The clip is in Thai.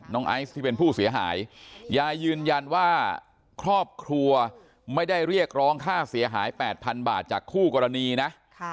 ไอซ์ที่เป็นผู้เสียหายยายยืนยันว่าครอบครัวไม่ได้เรียกร้องค่าเสียหาย๘๐๐๐บาทจากคู่กรณีนะ